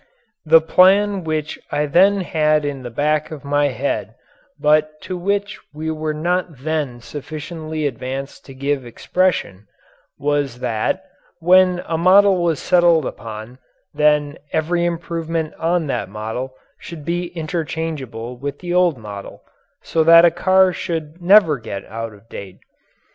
The plan which I then had in the back of my head but to which we were not then sufficiently advanced to give expression, was that, when a model was settled upon then every improvement on that model should be interchangeable with the old model, so that a car should never get out of date.